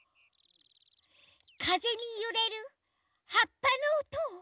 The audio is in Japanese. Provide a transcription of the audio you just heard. かぜにゆれるはっぱのおとをやりました。